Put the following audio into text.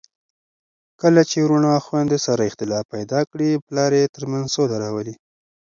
کله چي وروڼه او خويندې سره اختلاف پیدا کړي، پلار یې ترمنځ سوله راولي.